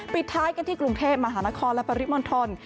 ปิดท้ายกันที่กรุงเทพมหานครและปริมณฑล